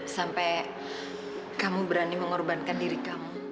sampai kamu berani mengorbankan diri kamu